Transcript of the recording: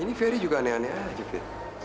ini ferry juga aneh aneh aja gitu